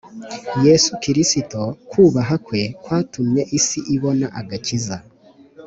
yesu kristo kuhaba kwe kwatumye isi ibona agakiza